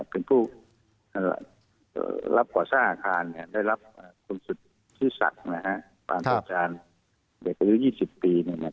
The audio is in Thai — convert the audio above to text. เป็นผู้รับก่อสร้างอาคารได้รับควรสุทธิศักดิ์ปราณธุรกาลเด็กอายุ๒๐ปี